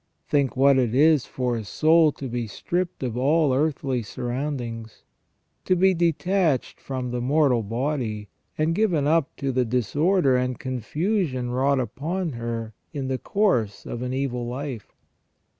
Think what it is for a soul to be stripped of all earthly surroundings, to be detached from the mortal body, and given up to the disorder and confusion wrought upon her in the course of an evil life.